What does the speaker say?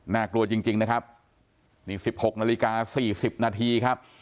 กลัวจริงนะครับนี่๑๖นาฬิกา๔๐นาทีครับ